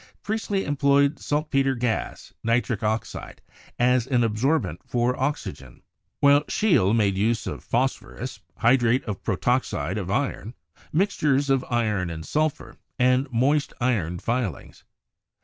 Priestley employed salt peter gas (nitric oxide) as an absorbent for oxygen, while Scheele made use of phosphorus, hydrate of protoxide of iron, mixtures of iron and sulphur, and moist iron filings.